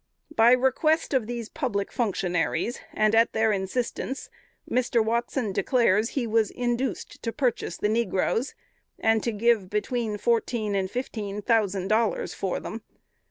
By request of these public functionaries, and at their instance, Mr. Watson declares he was induced to purchase the negroes, and to give between fourteen and fifteen thousand dollars for them.